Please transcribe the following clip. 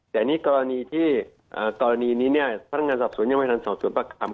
แต่นี่กรณีที่กรณีนี้เนี่ยพนักงานสอบสวนยังไม่ทันสอบสวนประคำ